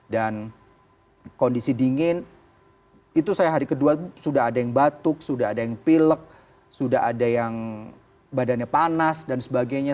dan kondisi dingin itu saya hari kedua sudah ada yang batuk sudah ada yang pilek sudah ada yang badannya panas dan sebagainya